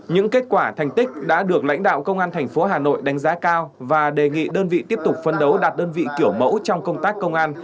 những kết quả thành tích đã được lãnh đạo công an thành phố hà nội đánh giá cao và đề nghị đơn vị tiếp tục phấn đấu đạt đơn vị kiểu mẫu trong công tác công an